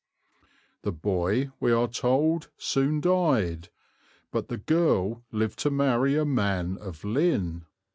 The boy, we are told, soon died, but the girl lived to marry a man of Lynn."